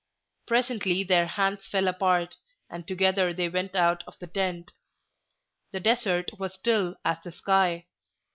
Presently their hands fell apart, and together they went out of the tent. The desert was still as the sky.